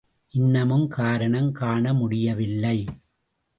இன்னமும் காரணம் காணமுடியவில்லை.